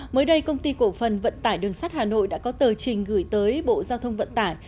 mới đây công ty cổ phần vận tải đường sắt hà nội đã có tờ trình gửi tới bộ giao thông vận tải